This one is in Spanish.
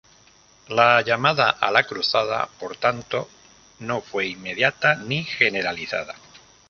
La llamada a la cruzada, por tanto, no fue inmediata ni generalizada.